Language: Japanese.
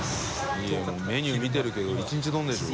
いもうメニュー見てるけど一日丼でしょ？